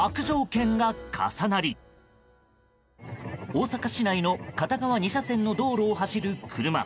大阪市内の片側２車線の道路を走る車。